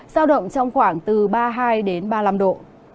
giao động trong khoảng từ ba mươi hai đến ba mươi năm độ